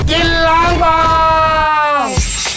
กินล้างบาง